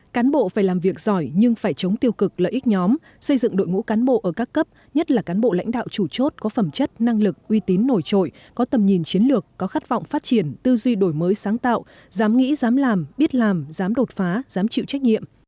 cán bộ phải làm việc giỏi nhưng phải chống tiêu cực lợi ích nhóm xây dựng đội ngũ cán bộ ở các cấp nhất là cán bộ lãnh đạo chủ chốt có phẩm chất năng lực uy tín nổi trội có tầm nhìn chiến lược có khát vọng phát triển tư duy đổi mới sáng tạo dám nghĩ dám làm biết làm dám đột phá dám chịu trách nhiệm